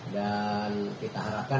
dan kita harapkan